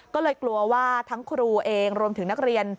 ก็เลยกลัวว่าทั้งครูเองรวมถึงนักเรียน